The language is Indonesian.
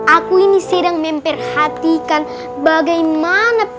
aku ini sedang memperhatikan bagai menangis sama what really eggplant